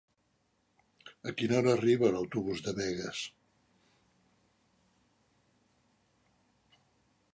A quina hora arriba l'autobús de Begues?